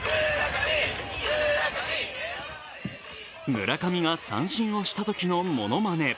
村上が三振をしたときのものまね。